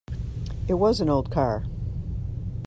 It was an old car.